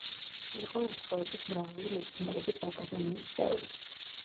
იყო უცხოეთის მრავალი მეცნიერების აკადემიის წევრი.